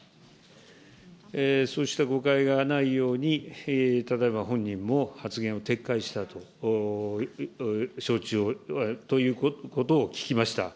そうした誤解がないように、ただいま本人も発言を撤回したと承知を、ということを聞きました。